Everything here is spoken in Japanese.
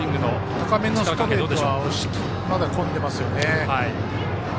高めのストレートはまだ押し込んでいますよね。